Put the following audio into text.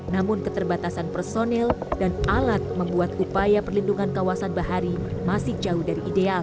namun keterbatasan personil dan alat membuat upaya perlindungan kawasan bahari masih jauh dari ideal